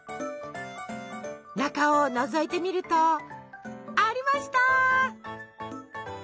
中をのぞいてみるとありました！